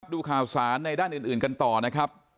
ดูข่าวสารในด้านอื่นกันต่อนะครับ